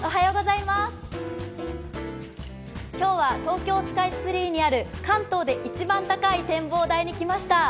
今日は東京スカイツリーにある関東で一番高い展望台に来ました。